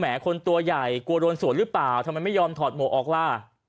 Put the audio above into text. คนตัวใหญ่กลัวโดนสวนหรือเปล่าทำไมไม่ยอมถอดหมวกออกล่ะ